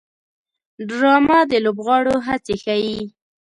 ډرامه د لوبغاړو هڅې ښيي